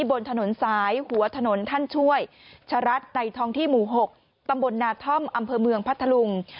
บนถนนสายหัวถนนท่านช่วยชะรัฐในท้องที่หมู่๖ตำบลนาท่อมอำเภอเมืองพัทธลุง